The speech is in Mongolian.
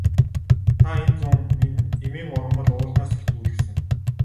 Та энэ зун эмийн ургамал уулнаас их түүлгэсэн.